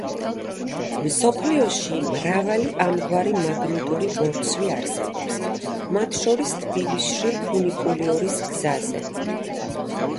მსოფლიოში მრავალი ამგვარი მაგნიტური ბორცვი არსებობს მათ შორის თბილისში ფუნიკულიორის გზაზე.